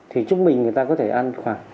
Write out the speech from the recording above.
thì chúng mình người ta có thể ăn khoảng